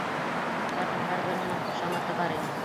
Егеттәрҙең һәр береһенең ҡушаматы бар ине.